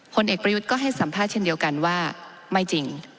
ผลเอกประยุทธ์ก็ให้สัมภาษณ์เช่นเดียวกันว่าไม่จริง